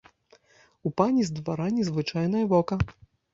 У пані з двара незвычайнае вока.